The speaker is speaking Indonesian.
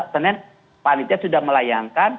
sebenarnya panitia sudah melayangkan